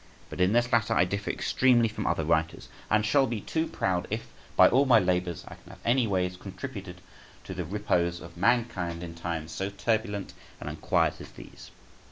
But in this latter I differ extremely from other writers, and shall be too proud if, by all my labours, I can have any ways contributed to the repose of mankind in times so turbulent and unquiet as these.